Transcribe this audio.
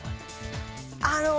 あの。